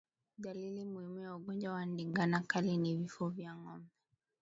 Dalili muhimu ya ugonjwa wa ndigana kali ni vifo vya ngombe